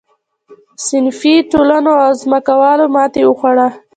صنفي ټولنو او ځمکوالو ماتې وخوړه.